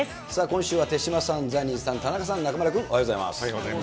今週は手嶋さん、ザニーさん、田中さん、中丸君、おはようございます。